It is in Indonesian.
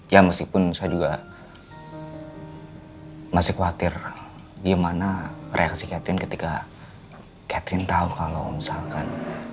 ya meskipun saya juga masih khawatir gimana reaksi catherine ketika catherine tahu kalau misalkan